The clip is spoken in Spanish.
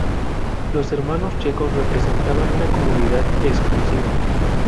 Los hermanos checos representaban una comunidad exclusiva.